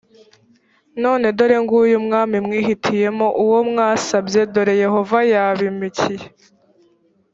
none dore nguyu umwami mwihitiyemo uwo mwasabye dore yehova yabimikiye